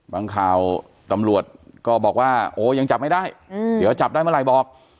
ข่าวตำรวจก็บอกว่าโอ้ยังจับไม่ได้เดี๋ยวจับได้เมื่อไหร่บอก